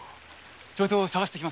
ちょいと捜してきます。